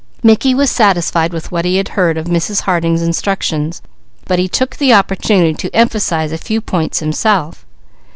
Mickey was satisfied with Mrs. Harding's instructions, but he took the opportunity to emphasize a few points himself.